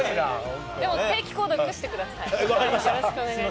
でも定期購読してください。